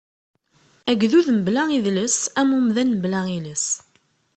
Agdud mebla idles, am umdan mebla iles.